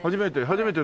初めて。